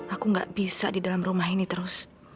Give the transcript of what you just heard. aku nggak bisa di dalam rumah ini terus